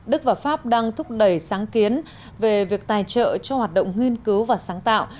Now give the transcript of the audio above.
đức và pháp đang thúc đẩy sáng kiến về việc tài trợ cho hoạt động nghiên cứu và sáng tạo